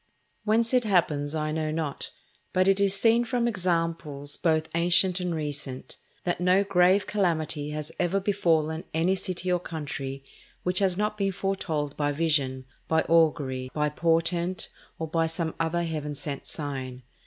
Whence it happens I know not, but it is seen from examples both ancient and recent, that no grave calamity has ever befallen any city or country which has not been foretold by vision, by augury, by portent, or by some other Heaven sent sign.